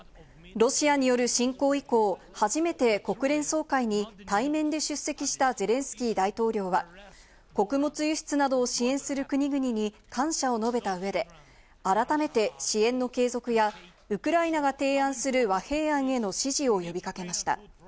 ロシアによる侵攻以降、初めて国連総会に対面で出席したゼレンスキー大統領は穀物輸出などを支援する国々に感謝を述べた上で、改めて支援の継続やウクライナが提案する和平案への支持を呼び掛けました。